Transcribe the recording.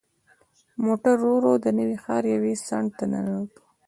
موټر ورو ورو د نوي ښار یوې څنډې ته ننوت.